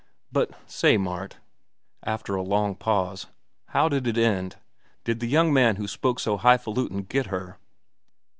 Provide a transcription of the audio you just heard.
"But, say, Mart," after a long pause, "how did it end? Did that young man who spoke so highfalutin' get her?"